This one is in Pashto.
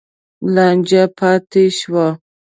لانجه پاتې شوه.